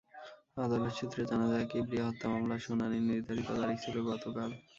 আদালত সূত্রে জানা যায়, কিবরিয়া হত্যা মামলার শুনানির নির্ধারিত তারিখ ছিল গতকাল।